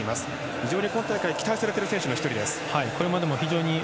非常に今大会期待されている選手です。